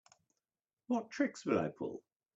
What tricks would I pull?